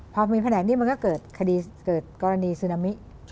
พอมีแผนกนี้มันก็เกิดกรณีซึนามิ